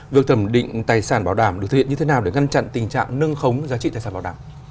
việc thẩm định tài sản bảo đảm được thực hiện như thế nào để ngăn chặn tình trạng nâng khống giá trị tài sản bảo đảm